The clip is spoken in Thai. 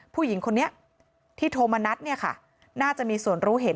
ผู้หญิงคนนี้ที่โทรมานัดเนี่ยค่ะน่าจะมีส่วนรู้เห็น